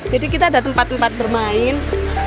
jadi kita ada tempat tempat bermain